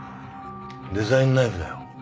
デザインナイフだよ。